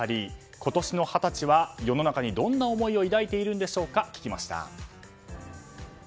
今年の二十歳は世の中にどんな思いを抱いているのか聞きました。